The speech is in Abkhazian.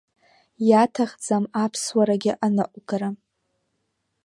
Иаҭахӡам аԥсуарагьы аныҟәгара.